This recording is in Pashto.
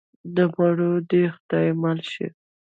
د مړو دې خدای مل شي.